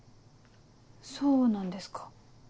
そうなんですか。